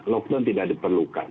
lockdown tidak diperlukan